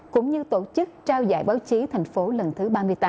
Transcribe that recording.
cũng như tổ chức trao dạy báo chí tp lần thứ ba mươi tám